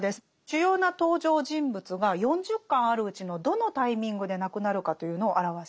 主要な登場人物が４０巻あるうちのどのタイミングで亡くなるかというのを表しています。